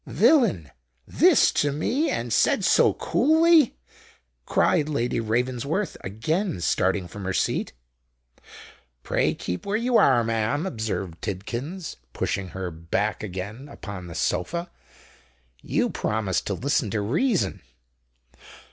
"Villain! this to me—and said so coolly!" cried Lady Ravensworth, again starting from her seat. "Pray keep where you are, ma'am," observed Tidkins, pushing her back again upon the sofa; "you promised to listen to reason."